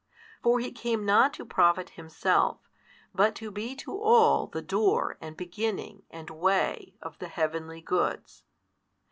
For He came not to profit Himself, but to be to all us the Door and Beginning and Way of the Heavenly Goods.